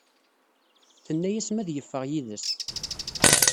Tenna-yas m ad yeffeɣ yid-s.